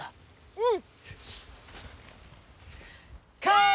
うん。